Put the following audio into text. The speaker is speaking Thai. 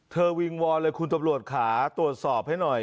วิงวอนเลยคุณตำรวจขาตรวจสอบให้หน่อย